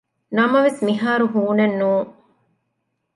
ނަމަވެސް މިހާރު ހޫނެއް ނޫން